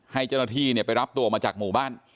ให้เจ้าหน้าที่ไปรับตัวมาจากหมู่บ้าน